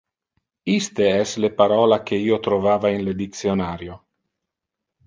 Iste es le parola que io trovava in le dictionario.